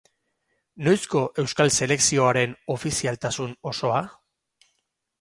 Noizko euskal selekzioaren ofizialtasun osoa?